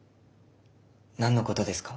何のことですか？